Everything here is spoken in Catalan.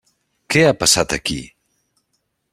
Què ha passat aquí?